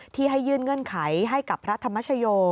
ที่ให้ยื่นเงื่อนไขให้กับพระธรรมชโย